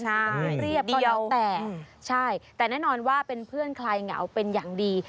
ใช่เดียวใช่แต่แน่นอนว่าเป็นเพื่อนคลายเหงาเป็นอย่างดี